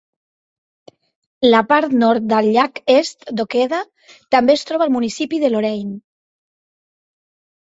La part nord del Llac Est d'Ocheda també es troba al municipi de Lorain.